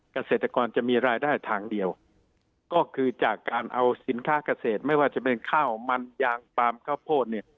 เกษตรกรจะมีรายได้ทางเดียวก็คือจากการเอาสินค้าเกษตรไม่ว่าจะเป็นข้าวมันยางปลามข้าวโพดเนี่ย